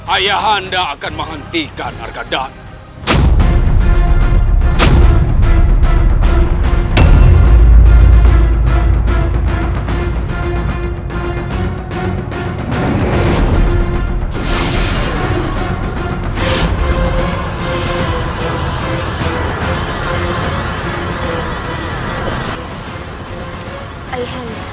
ayah anda akan menghentikan agadani